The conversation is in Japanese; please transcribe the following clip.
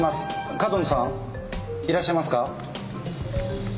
上遠野さんいらっしゃいますか？